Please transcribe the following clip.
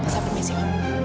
saya beri mesej om